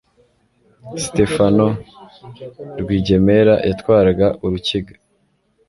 Sitefano Rwigemera yatwaraga Urukiga